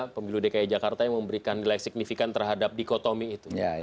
pemilu dki jakarta yang memberikan nilai signifikan terhadap dikotomi itu